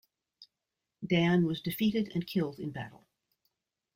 Dan was defeated and killed in battle.